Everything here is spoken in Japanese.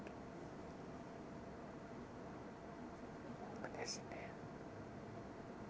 そうですね。